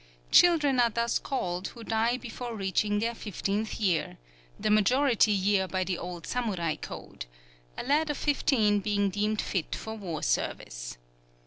Children are thus called who die before reaching their fifteenth year, the majority year by the old samurai code; a lad of fifteen being deemed fit for war service.